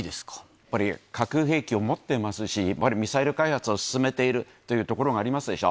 やっぱり核兵器を持っていますし、やはりミサイル開発を進めているというところがありますでしょ。